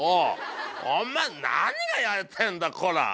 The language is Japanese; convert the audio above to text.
お前何がやりてえんだこら